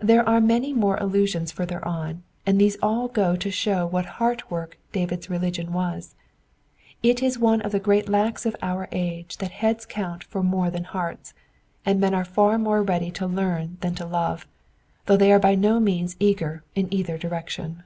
There are many more allusions further on, and these all go to show what heart work David's religion was. It is one of the great lacks of our age that heads count for more than hearts, and men are far more ready to learn than to love, though they are by no means eager in either direction.